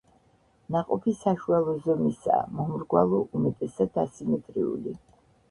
ნაყოფი საშუალო ზომისაა, მომრგვალო, უმეტესად ასიმეტრიული.